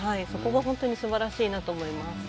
そこも本当にすばらしいなと思います。